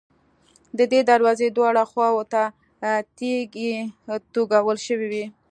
د دې دروازې دواړو خواوو ته تیږې توږل شوې وې.